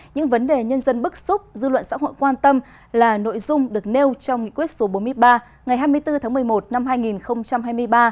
những vấn đề nhân dân bức xúc dư luận xã hội quan tâm là nội dung được nêu trong nghị quyết số bốn mươi ba ngày hai mươi bốn tháng một mươi một năm hai nghìn hai mươi ba